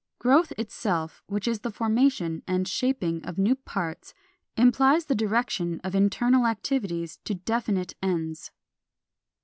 Growth itself, which is the formation and shaping of new parts, implies the direction of internal activities to definite ends.